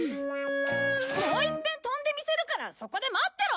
もう一遍飛んでみせるからそこで待ってろ！